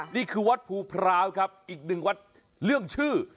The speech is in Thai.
นี่คือวัดภูพร้าวครับอีกหนึ่งวัดเรื่องชื่อ